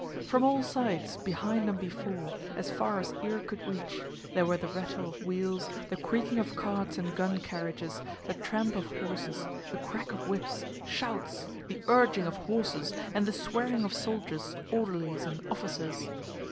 From all sides, behind and before, as far as ear could reach, there were the rattle of wheels, the creaking of carts and gun carriages, the tramp of horses, the crack of whips, shouts, the urging of horses, and the swearing of soldiers, orderlies, and officers.